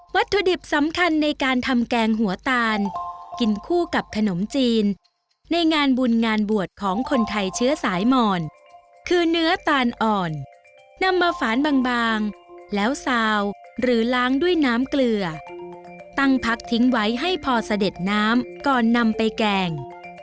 ถุดิบสำคัญในการทำแกงหัวตาลกินคู่กับขนมจีนในงานบุญงานบวชของคนไทยเชื้อสายหมอนคือเนื้อตาลอ่อนนำมาฝานบางแล้วซาวหรือล้างด้วยน้ำเกลือตั้งพักทิ้งไว้ให้พอเสด็จน้ำก่อนนำไปแกง